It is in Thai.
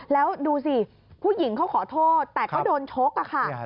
แล้วดูสิผู้หญิงเขาขอโทษแต่ก็โดนชกค่ะ